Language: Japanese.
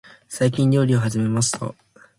最近、料理を始めました。